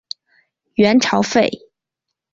元朝废。